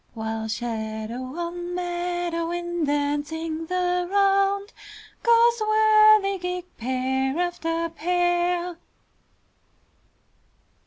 While shadow on meadow in dancing the round Goes whirligig, pair after pair!